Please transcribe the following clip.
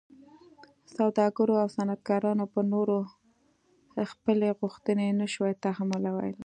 سوداګرو او صنعتکارانو پر نورو خپلې غوښتنې نه شوای تحمیلولی.